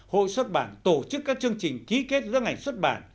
hội xuất bản tổ chức các chương trình ký kết giữa ngành xuất bản